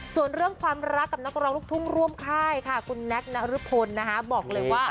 ส่วนเรื่องความรักกับนักร้องลูกทุ่งร่วมค่ายค่ะคุณแนคนรพลนะคะบอกเลยว่า